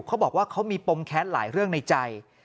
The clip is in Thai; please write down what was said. เขาบอกว่าเขามีปมแค้นหลายเรื่องในใจ